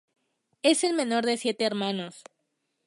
Es el menor de siete hermanos.